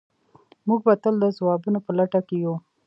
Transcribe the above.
موږ به تل د ځوابونو په لټه کې یو.